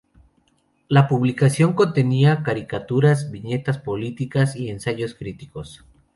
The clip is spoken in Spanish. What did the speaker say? La publicación contenía caricaturas, viñetas políticas y ensayos críticos.